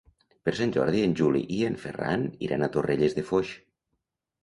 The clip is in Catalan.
Per Sant Jordi en Juli i en Ferran iran a Torrelles de Foix.